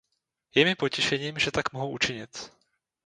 Je mi potěšením, že tak mohu učinit.